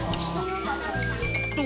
と